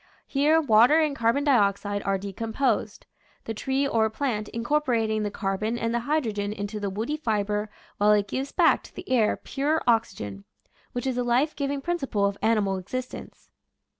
Here water and car bon dioxide are decomposed, the tree or plant incorporating the carbon and the hydrogen into the woody fiber while it gives back to the air pure oxygen, which is the life giving principle of animal existence.